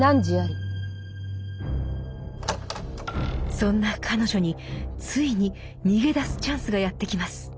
そんな彼女についに逃げ出すチャンスがやって来ます。